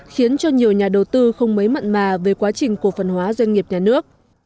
khiến cho nhiều nhà đầu tư không mấy mặn mà về quá trình cổ phần hóa doanh nghiệp nhà nước